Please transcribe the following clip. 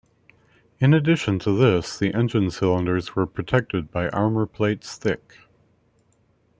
In addition to this, the engine cylinders were protected by armour plates thick.